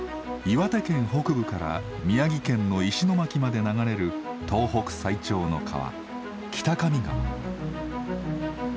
岩手県北部から宮城県の石巻まで流れる東北最長の川北上川。